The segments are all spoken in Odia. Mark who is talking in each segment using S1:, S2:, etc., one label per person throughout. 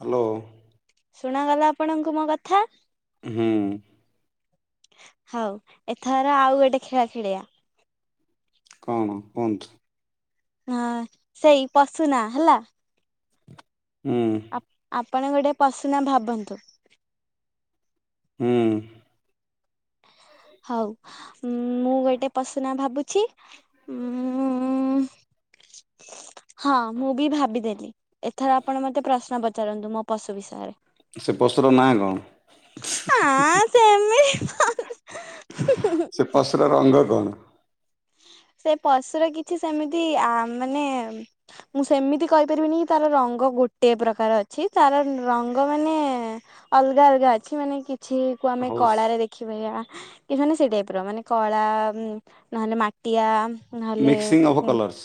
S1: ହ୍ୟାଲୋ।
S2: ଶୁଣାଗଲା ଆପଣଙ୍କୁ ମୋ କଥା?
S1: ହୁଁ।
S2: ହଉ ଏଥର ଆଉ ଗୋଟେ ଖେଳ ଖେଳିଆ।
S1: କଣ କଣ କୁହନ୍ତୁ?
S2: ହଁ ସେଇ ପଶୁନା ହେଲା।
S1: ହୁଁ।
S2: ଆପଣ ଗୋଟେ ପଶୁନା ଭାବନ୍ତୁ।
S1: ହୁଁ।
S2: ହଉ ମୁଁ ଗୋଟେ ପଶୁନା ଭାବୁଛି। ଉଁ ଉଁ ହଁ ମୁଁ ବି ଭାବିଦେଲି। ଏଥର ଆପଣ ମତେ ପ୍ରଶ୍ନ ପଚାରନ୍ତୁ ମୋ ପଶୁ ବିଷୟରେ।
S1: ସେ ପସୁର ନାଁ କଣ?
S2: ଆଁ ସେମିତି
S1: ସେତ [unintelligible] ପଶୁର ରଙ୍ଗ କଣ?
S2: ସେ ପଶୁର କିଛି ସେମିତି ଆ ମାନେ ମୁଁ ସେମିତି କହିପାରିବିନି କି ତାର ରଙ୍ଗ ଗୋଟେ ପ୍ରକାର ଅଛି ତାର ରଙ୍ଗ ମାନେ ଅଲଗା ଅଲଗା ଅଛି ମାନେ କିଛି ତାକୁ ଆମେ
S1: ହଉ
S2: କଳାରେ ଦେଖିପାରିବା କି ମାନେ ସେଇ ଟାଇପ ର ମାନେ କଳା ନହଲେ ମାଟିଆ। ନହେଲେ
S1: ମିକ୍ସିଂ ଅଫ୍ କଲର୍ସ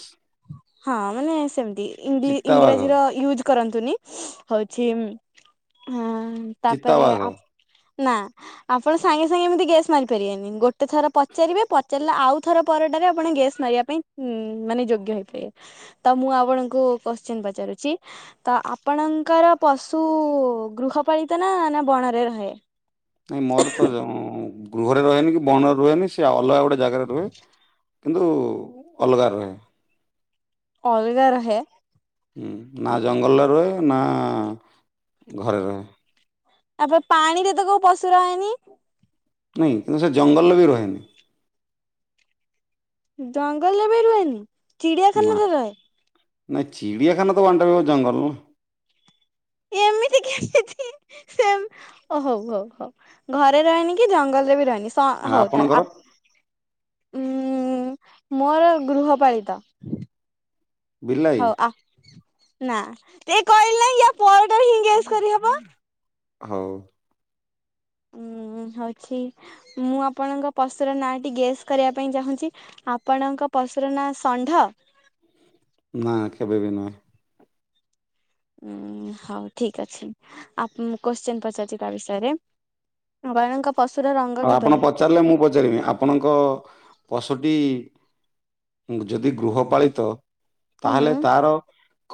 S2: ହଁ ମାନେ ସେମତି ଇଂଗଲି
S1: ଚିତାବାଘ
S2: ଇଂରାଜୀର ୟୁଜ କରନ୍ତୁନି। ହଉଛି ତାପରେ
S1: ଚିତାବାଘ
S2: ଆପ- ନା ଆପଣ ସାଙ୍ଗେ ସାଙ୍ଗେ ଏମିତି ଗେସ୍ ମାରିପାରିବେନି ଗୋଟେ ଥର ପଚାରିବେ। ପଚାରିଲେ ଆଉ- ଥର ପରଟାରେ ଆପଣ ଗେସ୍ ମାରିବା ପାଇଁଁ ମାନେ ଯୋଗ୍ୟ ହେଇପାରିବେ। ତ ମୁଁ ଆପଣଙ୍କୁ କୋଶ୍ଚିନ ପଚାରୁଛି? ତ ଆପଣଙ୍କର ପଶୁ ଗୃହପାଳିତ ନା ବଣରେ ରହେ?
S1: ନାଇଁ ମୋର ତ ଯ ଗୃହରେ ରହେନି କି ବଣରେ ରୁହେନି ସେ ଅଲଗା ଗୋଟେ ଜାଗାରେ ରୁହେ। କିନ୍ତୁ ଅଲଗା ରୁହେ।
S2: ଅଲଗା ରହେ?
S1: ହୁଁ, ନା ଜଙ୍ଗଲରେ ରୁହେ ନା ଘରେ ରହେ।
S2: ତାପରେ ପାଣିରେ ତ କୋଉ ପଶୁ ରହେନି?
S1: ନାହିଁ କିନ୍ତୁ ସେ ଜଙ୍ଗଲରେ ବି ରୁହେନି।
S2: ଜଙ୍ଗଲରେ ବି ରୁହେନି।
S1: ନା
S2: ଚିଡିଆଖାନାାରେ ରହେ?
S1: ନାଇଁ ଚିଡ଼ିଆଖାନା ତ ୱନ ଟାଇପ୍ ଅଫ ଜଙ୍ଗଲ।
S2: ଏମିତି କେମିତି? ସେମ୍ ଓ ହଉ, ହଉ, ହଉ, ଘରେ ରହେନି କି ଜଙ୍ଗଲରେ ବି ରହେନି। ହଁ
S1: ନା
S2: ହଉ ତାହେଲେ
S1: ଆପଣଙ୍କର
S2: ଆପ ଉଁ ମୋର ଗୃହପାଳିତ।
S1: ବିଲାଇ
S2: ହଉ ଆ ନା ଏ କହିଲି ନା ୟା ପରଟାରେ ହିଁ ଗେସ୍ କରିହବ।
S1: ହଉ
S2: ଉଁ ହଉଛି। ମୁଁ ଆପଣଙ୍କ ପଶୁର ନାଁଟି ଗେସ୍ କରିବା ପାଇଁ ଚାହୁଁଛି। ଆପଣଙ୍କ ପଶୁ ର ନାଁ ଷଣ୍ଢ?
S1: ନା କେବେ ବି ନହଁ।
S2: ଉଁ ହଉ ଠିକ ଅଛି। ଆ କୋଶ୍ଚିନ୍ ପଚାରୁଛି ତା ବିଷୟରେ। [inaudible] ପଶୁର ର-
S1: ଆଉ ଆପଣ ପଚାରିଲେ ମୁଁ ପଚାରିବିନି। ଆପଣଙ୍କ ପଶୁଟି ଯଦି ଗୃହପାଳିତ-
S2: ହୁଁ
S1: ତାହେଲେ ତାର-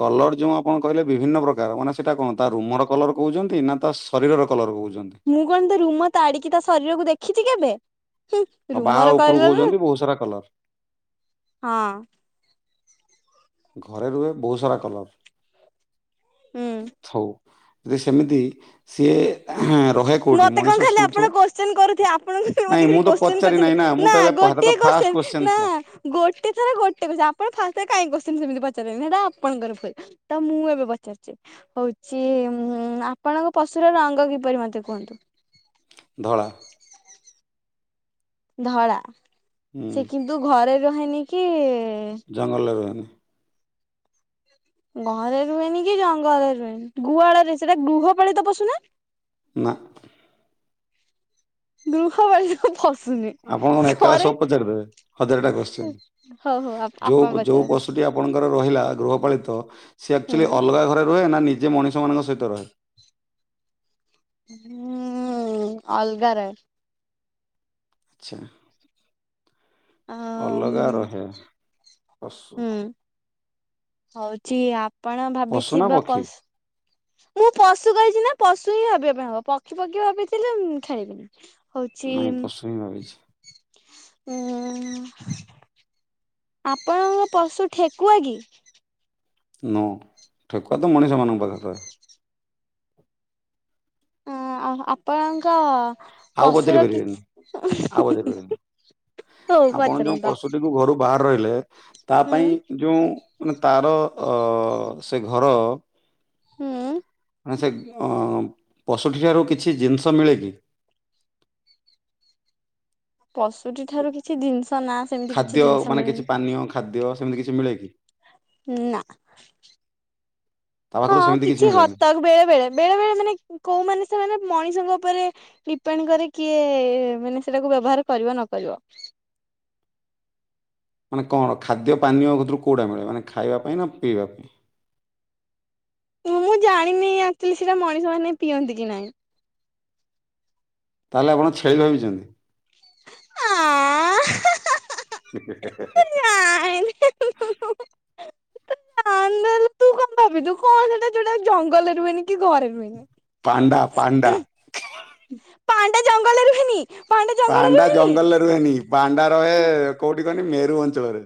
S1: କଲର ଯୋଉ ଆପଣ କହିଲେ ବିଭିନ୍ନ ପ୍ରକାର ମାନେ ସେଇଟା କଣ ତା ରୁମର କଲର କହୁଛନ୍ତି ନା ତା ଶରୀରର କଲର କହୁଛନ୍ତି?
S2: ମୁଁ କଣ ତା ରୁମ ତାଡି଼କି ତା ଶରୀରକୁ ଦେଖିଛି କେବେ? ହୁଁ
S1: ଆଉ ବାହା
S2: ରୁମର
S1: ଉପରୁ
S2: କଲର୍।
S1: କହୁଛନ୍ତି ବହୁତ ସାରା କଲର
S2: ହଁ।
S1: ଘରେ ରୁହେ ବହୁତ ସାରା କଲର।
S2: ହୁଁ।
S1: [inaudible] ଯେ ସେମିତି ସିଏ ରହେ- କୋଉଠି
S2: ମତେ
S1: ମଣିଷ
S2: କଣ ଖାଲି
S1: ଶୋଉଥିବ
S2: ଆପଣ କୋଶ୍ଚିନ୍ କରୁଥେ ଆପଣଙ୍କୁ
S1: ନାଇଁ
S2: ମତେ କିଛି
S1: ମୁଁ ତ
S2: କୋଶ୍ଚିନ୍
S1: ପଚାରି ନାହିଁ
S2: କରିଛନ୍ତି
S1: ମୁଁ
S2: ନା
S1: ତ ଏବେ
S2: ଗୋ
S1: ପ- ହେଟା
S2: ଟିଏ
S1: ତ ଫାଷ୍ଟ
S2: କୋଶ୍ଚିନ୍
S1: ଥିଲା
S2: ନା- ଗୋଟେ ଥରେ ଗୋଟେ କୋଶ୍ଚିନ ଆପଣ ଫାଷ୍ଟରେ କାଇଁ କୋଶ୍ଚିନ୍ ସେମିତି ପଚାରିବେନି ସେଟା ଆପଣଙ୍କର ଭୁଲ। ତ ମୁଁ ଏବେ ପଚାରୁଛି। ହଉଛି ଉଁ ଆପଣଙ୍କ ପଶୁର ରଙ୍ଗ କିପରି ମତେ କୁହନ୍ତୁ। କୁହନ୍ତୁ।
S1: ଧଳା
S2: ଧଳା।
S1: ହୁଁ
S2: ସେ କିନ୍ତୁ ଘରେ ରହେନି କି-
S1: ଜଙ୍ଗଲରେ ରୁହେନି।
S2: ଘରେ ରୁହେନି କି ଜଙ୍ଗଲରେ ରୁହେନି। ଗୁଆଳରେ ସେଟା ଗୃହପାଳିତ ପଶୁ ନା?
S1: ନା
S2: ଗୃହ ପଳିତ ପଶୁ ନୁହେଁ।
S1: ଆପଣ କଣ ଏକଲା
S2: ଘରେ
S1: ସବୁ ପଚାରିଦେବେ। ହଜାର ଟା କୋଶ୍ଚିନ୍।
S2: ହଉ ହଉ ଆପଣ
S1: ଯୋଉ, ଯୋଉ
S2: ପଚାରନ୍ତୁ
S1: ପଶୁଟି ଆପ ଆପଣଙ୍କର ରହିଲା ଗୃହପାଳିତ ସେ ଆକ୍ଚୁଆଲି
S2: ହୁଁ
S1: ଅଲଗା ଘରେ ରୁହେ ନା ନିଜେ ମଣିଷ ମାନଙ୍କ ସହିତ ରହେ?
S2: ହୁଁ ଅଲଗା ରଏ
S1: ଆଚ୍ଛା।
S2: ଆଉ
S1: ଅଲଗା ରହେ ପଶୁ
S2: ହୁଁ ହଉଛି ଆପଣ
S1: ପଶୁ ନା
S2: ଭାବିଥିବା
S1: ପକ୍ଷୀ?
S2: ପଶୁ ମୁଁ ପଶୁ କହିଛି ନା ପଶୁ ହିଁ ଭାବିବା ପାଇଁ ହବ ପକ୍ଷୀ ପକ୍ଷୀ ଭାବିଥିଲେ ଖେଳିବିନି। ହଉଛି
S1: ନାଇଁ ପଶୁ ହିଁ ଭାବିଛି
S2: ଉଁ ଆପଣଙ୍କ ପଶୁ ଠେକୁଆ କି?
S1: ନ ଠେକୁଆ ତ ମଣିଷମାନଙ୍କ ପାଖରେ ରହେ।
S2: ଅ ଆ ଆପଣଙ୍କ
S1: ଆଉ ପଚାରି
S2: ପଶୁର
S1: ପାରିବେନି ଆଉ ପଚାରି
S2: କିଛି
S1: ପାରିବେନି
S2: ହଉ
S1: ଆପଣ ଯୋଉ
S2: ପଚାରନ୍ତ
S1: ପଶୁଟିକୁ ଘରୁ ବାହାର୍ ରହିଲେ ତା
S2: ହୁଁ
S1: ପାଇଁ ଯେଉଁ ମାନେ ତାର ସେ ଘର
S2: ହୁଁ।
S1: ମାନେ ସେ ପଶୁଟି ଠାରୁ କିଛି ଜିନିଷ ମିଳେ କିି?
S2: ପଶୁଟି ଠାରୁ କିଛି ଜିନିଷ ନା ସେମିତି
S1: ଖାଦ୍ୟ
S2: କିଛି ଜିନିଷ
S1: ମାନେ କିଛି
S2: ମିଳନି
S1: ପାନୀୟ ଖାଦ୍ୟ ସେମିତି କିଛି ମିଳେ କି?
S2: ନା।
S1: ତା ପାଖରୁ
S2: ହଁ
S1: ସେମିତି
S2: କିଛି
S1: ମିଳେନି।
S2: ହତକ ବେଳେ ବେଳେ ବେଳେ ବେଳେ ମାନେ କୋଉମାନେ ସେମାନେ ମଣିଷଙ୍କ ଉପରେ ଡିପେଣ୍ଡ୍ କରେ କିଏ ମାନେ ସେଟାକୁ ବ୍ୟବହାର କରିବ ନ କରିବ।
S1: ମାନେ କଣ ଖାଦ୍ୟ ପାନୀୟ କତରୁ କେଉଁଟା ମିଳେ ମାନେ ଖାଇବା ପାଇଁ ନା ପିଇବା ପାଇଁ?
S2: ମୁଁ ଜାଣିନି ଆକ୍ଚୁଆଲି ସେଇଟା ମଣିଷ ମାନେ ପିଅନ୍ତି କି ନାହିଁ।
S1: ତାହେଲେ ଆପଣ ଛେଳି ଭାବିଛନ୍ତି।
S2: ଆଁ, [unintelligible]
S1: ହି, ହେ, ହେ, ହେ
S2: ତୁ କଣ ଭାବିଲୁ କଣ ସେଇଟା ଯୋଉଟା ଜଙ୍ଗଲରେ ରୁହେନି କି ଘରେ
S1: ପାଣ୍ଡା ପାଣ୍ଡା
S2: ରୁହେନି। ପାଣ୍ଡା ଜଙ୍ଗଲ ରେ ରୁହେନି। ଜଙ୍ଗଲରେ
S1: ପାଣ୍ଡା
S2: ରୁହେନି।
S1: ଜଙ୍ଗଲରେ ରୁହେନି ପାଣ୍ଡା ରୁହେ କୋଉଠି କହନି ମେରୁ ଅଞ୍ଚଳରେ।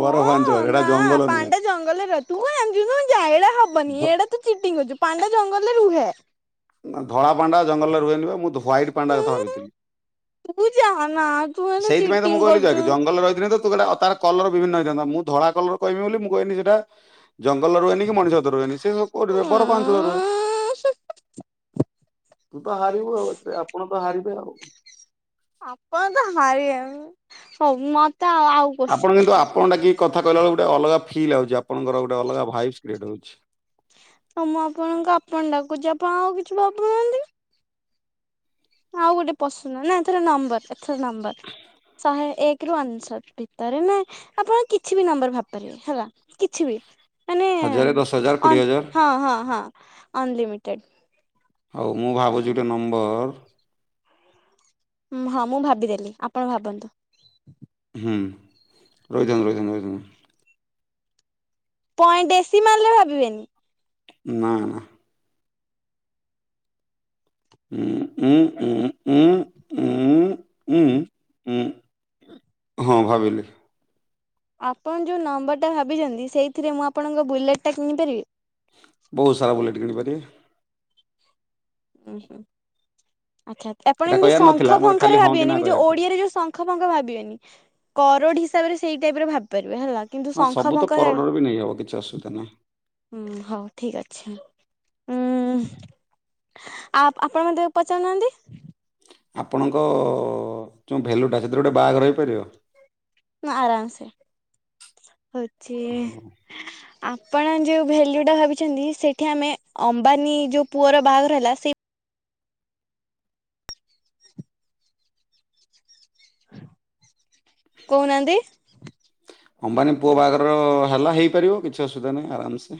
S1: ବରଫ ଅଞ୍ଚଳରେ ଏଟା
S2: ନା
S1: ଜଙ୍ଗଲ ନୁହେଁ।
S2: ପାଣ୍ଡା ଜଙ୍ଗଲରେ ରୁହେ, ତୁ କଣ ଜାଣିଛୁ ତୁ ଜାଇଲା
S1: ଧ
S2: ହବନି ଏଡେ ତୁ ଚିଟିଂ କରୁଛୁ ପାଣ୍ଡା ଜଙ୍ଗଲରେ ରୁହେ।
S1: ଧଳା ପାଣ୍ଡା ଜଙ୍ଗଲରେ ରୁହନ୍ତି ବା ମୁଁ ହ୍ୱାଇଟ୍ ପାଣ୍ଡା କଥା
S2: ଉଁ
S1: ଭାବିଥିଲି।
S2: ତୁ, ଯାହା ନା
S1: ସେଇଥି ପାଇଁ ତ ମୁଁ କହିଲି ଯାକ କି ଜଙ୍ଗଲରେ ରହିଥିଲେ ତ ତୁ କହିଲୁ ତାର କଲର ବିଭିନ୍ନ ହେଇଥାନ୍ତା ମୁଁ ଧଳା କଲର କହିବି ବୋଲି ମୁଁ କହିଲି ସେଟା ଜଙ୍ଗଲ ରୁହେନି କି ମଣିଷ କତି ରେ ରୁହେନି ସେ ସବୁ କୋଉଠି ରୁହେ ବର ପାଉଁସ ଘରେ ରୁହେ।
S2: ଉଁ
S1: ତୁ ତ ହାରିବୁ ଆଉ ଏଥିରେ ଆପଣ ତ ହାରିବେ ଆଉ।
S2: ଆପଣ ତ ହାରି ବେ ଉଁ ହଉ ମତେ ଆଉ କୋଶ୍ଚିନ୍
S1: ଆପଣ କିନ୍ତୁ
S2: ପଚାର।
S1: ଆପଣ ଡାକିକି କଥା କହିଲା ବେଳେକୁ ଗୋଟେ ଅଲାଗା ଫିଲ୍ ଆଉଛି ଆପଣଙ୍କର ଗୋଟେ ଅଲଗା ଭାଇବସ୍ କ୍ରିଏଟ ହଉଛି।
S2: ହଉ ମୁଁ ଆପଣଙ୍କୁ ଆପଣ ଡାକୁଛି ଆପଣ ଆଉ କିଛି ଭାବୁ ନାହାନ୍ତି। ଆଉ ଗୋଟେ ପଶୁ ନା ଏଥର ନମ୍ବର ଏଥର ନମ୍ବର। ଶହେ ଏକ ରୁ ଅନ୍ସ୍ୱାର ଭିତରେ ନାଇ ଆପଣ କିଛି ବି ନମ୍ବର ଭାବିପାରିବେ ହେଲା। କିଛି ବି ମାନେ
S1: ହଜାରେ ଦଶ ହଜାର କୋଡିଏ ହଜାର
S2: ହଁ, ହଁ, ହଁ ଅନ୍ ଲିମିଟେଡ୍। ଆନଲିମିଟର୍ଡ।
S1: ହଉ ମୁଁ ଭାବୁଛି ଗୋଟେ ନମ୍ବର।
S2: ଉଁ, ହଁ, ମୁଁ ଭାବିଦେଲି ଆପଣ ଭାବନ୍ତୁ।
S1: ହୁଁ, ରହି ଥାଆନ୍ତୁ ରହି ଥାଆନ୍ତୁ।
S2: ପଏ ବେଶି ମାରିଲେ ଭାବିବେନି।
S1: ନା, ନା। ଉଁ, ଉଁ, ଉଁ, ଉଁ, ଉଁ, ଉଁ। ଉଁ ଉଁ ହଁ ଭାବିଲି।
S2: ଆପଣ ଯୋଉ ନମ୍ବରଟା ଭାବିଚନ୍ତି ସେଇଥିରେ ମୁଁ ଆପଣଙ୍କ ବୁଲେଟ୍ ଟା କିଣି ପାରିବି?
S1: ବହୁତ୍ ସାରା ବୁଲେଟ୍ କିଣିପାରିବେ।
S2: ଉଁ ହୁଁ ଆଚ୍ଛା ଆପଣ
S1: ଏଇଟା
S2: ଏମିତି
S1: କହିବାର ନଥିଲା
S2: ଶଙ୍ଖ
S1: ମୋର ଖାଲି
S2: ଫଙ୍ଖରେ
S1: ହଁ କି
S2: ଭାବିବେନି
S1: ନା
S2: ଏମିତି
S1: କହିବାର
S2: ଯୋଉ
S1: ଥିଲା।
S2: ଓଡିଆରେ ଯୋଉ ଶ ଙ୍ଖଫଙ୍କ ଭାବିବେନି କରୋଡ଼୍ ହିସାବରେ ସେଇ ଟାଇପ୍ ର ଭାବପାରିବେ ହେଲା। କିନ୍ତୁ
S1: ହଁ
S2: ଶଙ୍ଖ
S1: ସବୁ ତ
S2: ଫଙ୍ଖ
S1: କାରୋଡ଼ ରେ ବି ନେଇହବ କିଛି ଅସୁବିଧା ନାହିଁ।
S2: ହୁଁ ହଉ ଠିକ୍ ଅଛି ଉଁ। ଆ ଆପଣ ମତେ ପଚାରୁ ନାହାନ୍ତି।
S1: ଆପଣଙ୍କ ଯେଉଁ ଭ୍ୟାଲୁ ଟା ସେଥିରେ ଗୋଟେ ବାହାଘର ରହିପାରିବ?
S2: ନା ଆରାମ୍ ସେ ହଉଚି।
S1: ହଁ
S2: ଆପଣ ଯୋଉ ଭେଲ୍ୟୁ ଟା ଭାବିଛନ୍ତି ସେଇଠି ଆମେ ଅମ୍ବାନୀ ଯୋଉ ପୁଅର ବାହାଘର ହେଲା ସେ କହୁ ନାହାନ୍ତି?
S1: ଅମ୍ବାନୀ ପୁଅ ବାହାଘର ହେଲା ହେଇପାରିବ କିଛି ଅସୁବିଧା ନାହିଁ ଆରାମ୍ ସେ।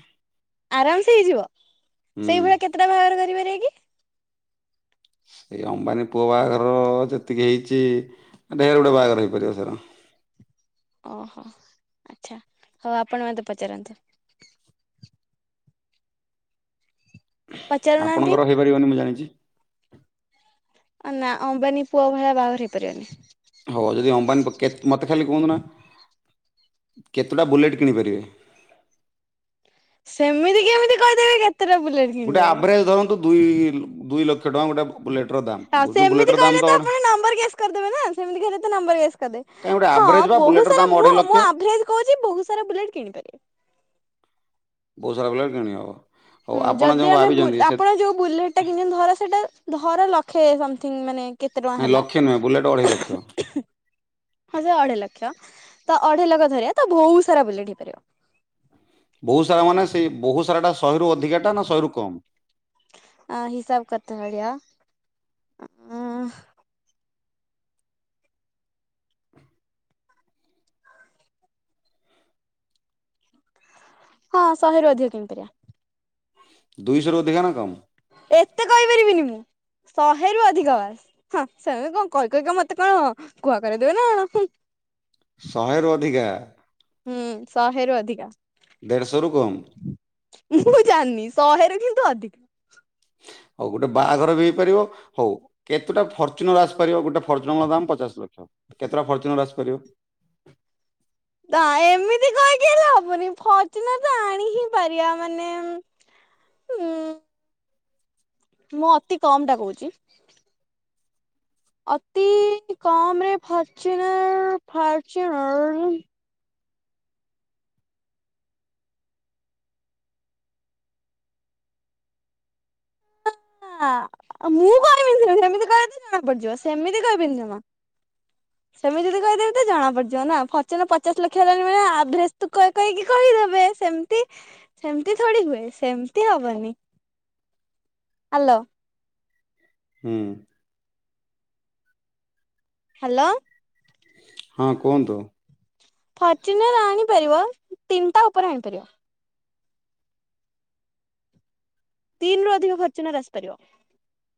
S2: ଆରାମ୍ ସେ ହେଇଯିବ
S1: ହୁଁ
S2: ସେଇ ଭଳିଆ କେତେଟା ବାହାଘର କରି ପାରିବେ କି?
S1: ସେଇ ଅମ୍ବାନୀ ପୁଅ ବାହାଘରର ଯେତିକି ହେଇଚି ଢେର୍ ଗୁଡାଏ ବାହାଘର ହୋଇ ପାରିବ ଧର।
S2: ଅହ ଆଚ୍ଛା ହଉ ଆପଣ ମୋତେ ପଚାରନ୍ତୁ। ପଚାରୁନାହାନ୍ତି।
S1: ଆପଣଙ୍କର ହୋଇ ପାରିବନି ମୁଁ ଜାଣିଚି।
S2: ଆ ନା ଅମ୍ବାନୀ ପୁଅ ଭଳିଆ ବାହାଘର ହେଇ ପାରିବନି।
S1: ହଉ ଯଦି ଅମ୍ବାନୀ ପୁ କେତ୍ ମତେ ଖାଲି କୁହନ୍ତୁ ନା କେତୁଟା ବୁଲେଟ୍ କିଣିପାରିବେ?
S2: ସେମିତି କେମିତି କହିଦେବି କେ
S1: ଗୁଟେ ଆଭରେଜ୍ ଧରନ୍ତୁ ଦୁଇ ଦୁଇଲ
S2: ହଁ ସେମିତି
S1: ଦାମ
S2: କହିଲେ ତ
S1: କାଇଁ
S2: ଆପଣ ନମ୍ବର ଗେସ୍ କରିଦେବେ ନା ସେମିତି କହିଲେ ତ ନମ୍ବର ଗେସ୍
S1: ଗୋଟେ
S2: କରିଦେବେ। ହଁ
S1: ଆଭରେଜ ବା
S2: ବହୁତ୍
S1: ବୁଲେଟର
S2: ସାରା
S1: ଦାମ
S2: ମୁଁ
S1: ଅଢେଇ ଲକ୍ଷ
S2: ମୁଁ ଅଭ୍ରେଜ୍ କହୁଛି ବହୁତ୍ ସାରା ବୁଲେଟ୍ କିଣି ପାରିବି।
S1: ବହୁ ସାରା ବୁଲେଟ୍ କିଣି ହବ? ହଉ
S2: ହୁଁ
S1: ଆପଣ
S2: ଯଦି
S1: ଯୋଉ
S2: ଆମେ ବୁଲ୍
S1: ଭାବିଛନ୍ତି ସେ
S2: ଆପଣ ଯୋଉ ବୁଲେଟ୍ ଟା କିଣିଛନ୍ତି ଧର ସେଟା ଧର ଲକ୍ଷେ ସମଥିଙ୍ଗ୍ ମାନେ। କେତେ ଟଙ୍କା
S1: ନାଇଁ ଲକ୍ଷେ ନୁହେଁ ବୁଲେଟ ଅଢେଇ ଲକ୍ଷ
S2: ହେଲା। ହଁ ସେଇ ଅଢ଼େଇ ଲକ୍ଷ ତ ଅଢ଼େଇ ଲକ୍ଷ ଧରିବା ତ ବହୁ ସାରା ବୁଲେଟ୍ ହେଇପାରିବ।
S1: ବହୁତ୍ ସାରା ମାନେ ସେଇ ବହୁତ୍ ସାରା ଟା ଶହେରୁ ଅଧିକା ଟା ନା ଶହେରୁ କମ୍?
S2: ଆ ହିସାବ କେତେ ଭଳିଆ ଅଁ। ହଁ ଶହେରୁ ଅଧିକ କିଣିପାରିବା।
S1: ଦୁଇଶହରୁ ଅଧିକା ନା କମ୍?
S2: ଏତେ କହିପାରିବିନି ମୁଁ। ଶହେରୁ ଅଧିକ ହଁ ସେମିତି କଣ କହି କହିକା ମତେ କଣ କୁହା କରେଇ ଦେବେ ନା କଣ ହୁଁ।
S1: ଶହେରୁ ଅଧିକା?
S2: ହୁଁ ଶହେ ରୁ ଅଧିକା।
S1: ଦେଢ଼ଶହରୁ କମ୍?
S2: ମୁଁ ଜାଣିନି ଶହେରୁ କିନ୍ତୁ ଅଧିକା।
S1: ହଉ ଗୋଟେ ବାହାଘର ବି ହେଇପାରିବ ହଉ କେତେଟା ଫର୍ଚୁନର୍ ଆସିପାରିବ ଗୁଟେ ଫର୍ଚୁନର୍ ଦାମ୍ ପଚାଶ ଲକ୍ଷ କେତେଟା ଫର୍ଚୁନର୍ ଆସି ପାରିବ?
S2: ତା ଏମିତି କହିକି ହେଲେ ହବନି ଫର୍ଚୁନର୍ ତ ଆଣି ହିଁ ପାରିବା ମାନେ। ହୁଁ। ମୁଁ ଅତି କମ୍ ଟା କହୁଛି। ଅତି କମ ରେ ଫର୍ଚୁନର୍ ଫର୍ଚୁନର୍। ନା ମୁଁ କହିବିନି ସେ ସେମିତି କହିଲେ ତ ଜଣା ପଡିଯିବ ସେମିତି କହିବିନି ଜମା। [inaudible] ସେମିତିି ଯଦି ତ କହିଦେଵି ତ ଜଣା ପଡିଯିବ ନା ଫର୍ଚନ ପଚାଶ ଲକ୍ଷ ହେଲାଣି ମାନେ ଆଭରେଜ ତ କହି କହି କି କହିଦେବେ ସେମିତି ସେମିତି ଥୋଡି ହୁଏ ସେମିତି ହବନି ହ୍ୟାଲୋ।
S1: ହୁଁ।
S2: ହ୍ୟାଲୋ।
S1: ହଁ କୁହନ୍ତୁ?
S2: ଫଚୁନ ଆଣିପାରିବ ତିନିଟା ଉପରେ ଆଣିପାରିବ। ତିନି ରୁ ଅଧିକ ଖର୍ଚୁନାର ଆସିପାରିବ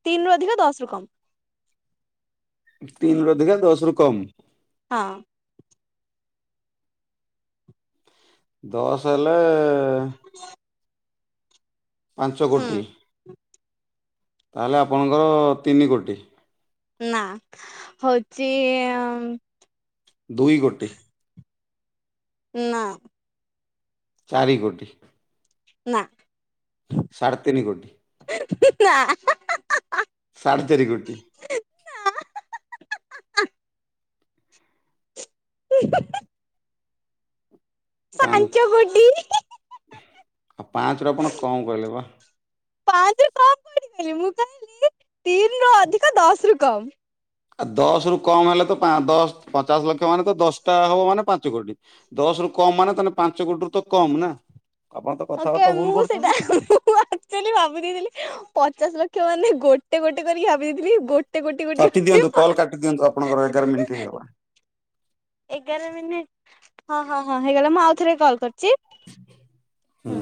S2: ତିନି ରୁ ଅଧିକ ଦଶ ରୁ କମ୍
S1: ତିନି ରୁ ଅଧିକା ଦଶ ରୁ କମ୍?
S2: ହଁ।
S1: ଦଶ ହେଲେ ପାଞ୍ଚ କୋଟି
S2: ହୁଁ
S1: ତାହେଲେ ଆପଣଙ୍କର ତିନି କୋଟି।
S2: ନା ହଉଛି
S1: ଦୁଇ ଗୋଟି
S2: ନାଁ।
S1: ଚାରି କୋଟି
S2: ନା।
S1: ସାଢ଼େ ତିନି କୋଟି
S2: ନାଁ।
S1: ସାଢ଼େ ଚାରି କୋଟି ପା
S2: ପାଞ୍ଚ କୋଟି
S1: ପାଞ୍ଚରୁ ଆପଣ କମ୍ କହିଲେ ବା
S2: ପାଞ୍ଚ ରୁ କଣ କହିଥିଲି ମୁଁ କହିଲି ତିନି ରୁ ଅଧିକ ଦଶ ରୁ କମ୍
S1: ଆ ଦଶ ରୁ କମ ହେଲେ ତ ପା ଦଶ ପଚାଶ ଲକ୍ଷ ମାନେ ତ ଦଶଟା ହବ ମାନେ ପାଞ୍ଚ କୋଟି। ଦଶ ରୁ କମ ମାନେ ତାହେଲେ ପାଞ୍ଚ କୋଟିରୁୁ ତ କମ ନା? ଆପଣ ତ
S2: ଓକେ
S1: କଥାବାର୍ତ୍ତା ଭୁଲ
S2: ମୁଁ
S1: କରୁଛନ୍ତି।
S2: ସେଇଟା ଭାବି ଦେଇଥିଲି ପଚାଶଲକ୍ଷ ମାନେ ଗୋଟେ ଗୋଟେ କରିକି ଭାବି ଦେଇଥିଲି ଗୋଟାଏ ଗୋଟେ
S1: କାଟି
S2: ଗୋଟେ
S1: ଦିଅନ୍ତୁ କଲ୍ କାଟି ଦିଅନ୍ତୁ ଆପଣଙ୍କର ଏଗାର ମିନିଟ୍ ହେଇଗଲା
S2: ଏଗାର ମିନିଟ ହଁ ହଁ ହଁ ହେଇଗଲା ମୁଁ ଆଉ ଥରେ କଲ କରୁଛି।
S1: ହୁଁ।